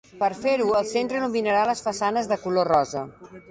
Per fer-ho, el centre il·luminarà les façanes de color rosa.